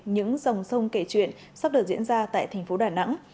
những dòng sông kể chuyện sắp được diễn ra tại thành phố đà nẵng